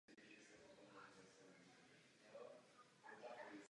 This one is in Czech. Narodil se ve Dvoře Králové.